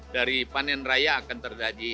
dari panen raya akan terjadi